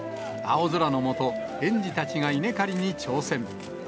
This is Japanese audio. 青空の下、園児たちが稲刈りに挑戦。